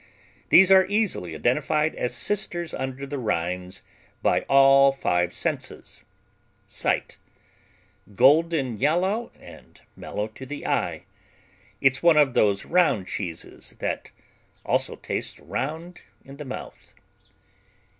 These are easily identified as sisters under the rinds by all five senses: sight: Golden yellow and mellow to the eye. It's one of those round cheeses that also tastes round in the mouth.